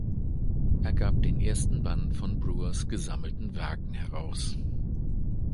Er gab den ersten Band von Brouwers Gesammelten Werken heraus.